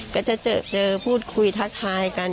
ก็จะเจอพูดคุยทักทายกัน